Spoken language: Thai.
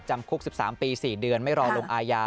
คุก๑๓ปี๔เดือนไม่รอลงอาญา